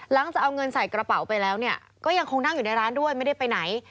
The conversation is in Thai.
จะเอาเงินใส่กระเป๋าไปแล้วเนี่ยก็ยังคงนั่งอยู่ในร้านด้วยไม่ได้ไปไหน